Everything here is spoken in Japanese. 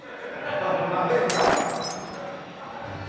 ないか。